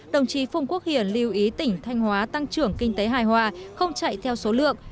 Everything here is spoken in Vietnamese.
đồng chí phùng quốc hiển lưu ý tỉnh thanh hóa tăng trưởng kinh tế hài hòa không chạy theo số lượng